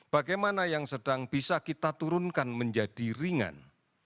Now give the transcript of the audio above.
bagaimana yang sedang bisa kita turunkan menjadi ringan